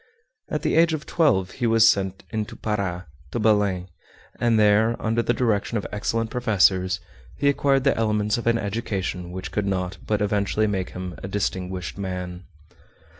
At the age of twelve he was sent into Para, to Belem, and there, under the direction of excellent professors, he acquired the elements of an education which could not but eventually make him a distinguished man.